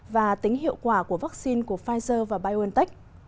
và tính hiệu quả của vaccine của pfizer và biontech